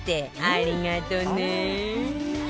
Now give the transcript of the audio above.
ありがとうねえ。